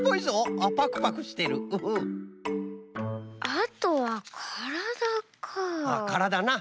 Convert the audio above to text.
あとはからだか。